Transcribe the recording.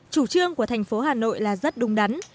chủ trương của thành phố hà nội là rất đúng đắn